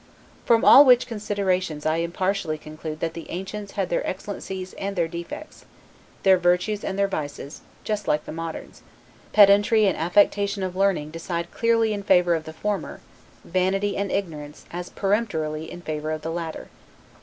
From all which considerations I impartially conclude that the ancients had their excellencies and their defects, their virtues and their vices, just like the moderns; pedantry and affectation of learning decide clearly in favor of the former; vanity and ignorance, as peremptorily in favor of the latter.